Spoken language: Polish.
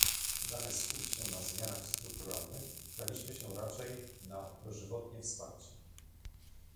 Zamiast skupić się na zmianach strukturalnych, zdaliśmy się raczej na dożywotnie wsparcie